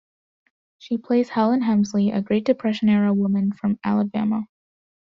She plays Helen Hemsley, a Great Depression-era woman from Alabama.